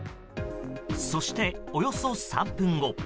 そして、およそ３分後。